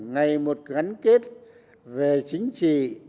ngày một gắn kết về chính trị